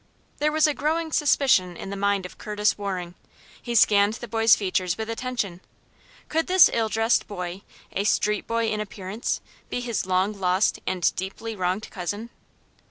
There was a growing suspicion in the mind of Curtis Waring. He scanned the boy's features with attention. Could this ill dressed boy a street boy in appearance be his long lost and deeply wronged cousin?